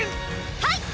はい！